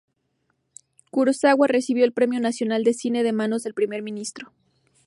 Kurosawa recibió el Premio Nacional de Cine de manos del primer ministro.